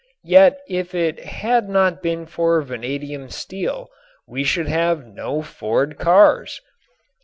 Yet if it had not been for vanadium steel we should have no Ford cars.